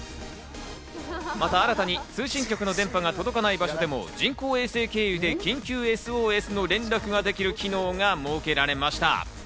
また新たに、通信局の電波が届かない場所でも人工衛星経由で緊急ＳＯＳの連絡ができる機能が設けられました。